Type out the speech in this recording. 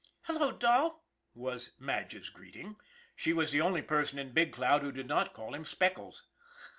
" Hallo, Dol !" was Madge's greeting. She was the only person in Big Cloud who did not call him Speckles.